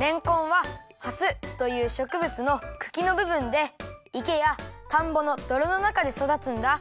れんこんは「はす」というしょくぶつのくきのぶぶんでいけやたんぼのどろのなかでそだつんだ。